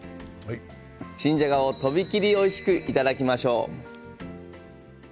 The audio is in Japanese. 新じゃがをとびきりおいしくいただきましょう。